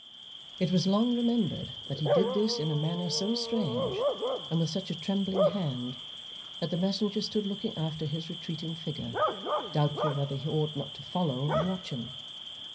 It was long remembered that he did this in a manner so strange, and with such a trembling hand, that the messenger stood looking after his retreating figure, doubtful whether he ought not to follow, and watch him.